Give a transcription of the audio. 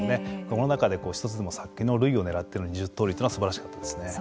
その中で一つでも先の塁をねらっての２０盗塁というのはすばらしかったですね。